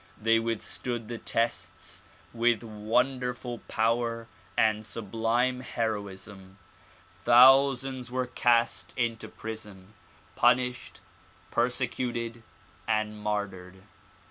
They withstood the tests with wonderful power and sublime heroism. Thousands were cast into prison, punished, persecuted and martyred.